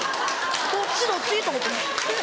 どっちどっち？と思って。